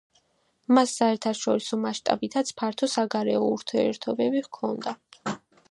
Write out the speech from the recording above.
მას საერთაშორისო მასშტაბითაც ფართო საგარეო ურთიერთობები ჰქონდა.